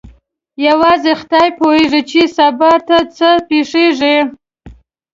یوازې خدای پوهېږي چې سبا ته څه پېښیږي.